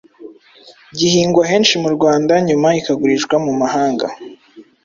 gihingwa henshi mu Rwanda nyuma ikagurishwa mu mahanga,